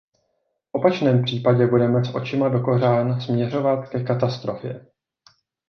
V opačném případě budeme s očima dokořán směřovat ke katastrofě!